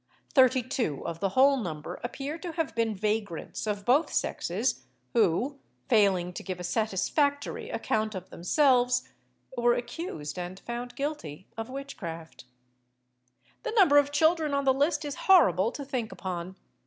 Thirty two of the whole number appear to have been vagrants, of both sexes, who, failing to give a satisfactory account of themselves, were accused and found guilty of witchcraft. The number of children on the list is horrible to think upon.